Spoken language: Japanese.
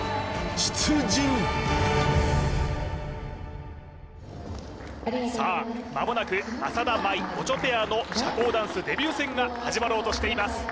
出陣さあまもなく浅田舞・オチョペアの社交ダンスデビュー戦が始まろうとしています